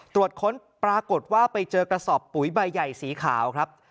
ตรวจค้นปรากฏว่าไปเจอกระสอบปุ๋ยใบใหญ่สีขาวครับ